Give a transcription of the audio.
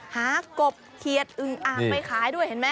หากบเขียดอึงอ่างไปขายด้วยเห็นไหม